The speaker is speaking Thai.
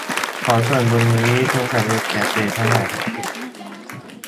ขอส่วนบุญนี้จงสำเร็จแก่เปรตทั้งหลายทั้งปวง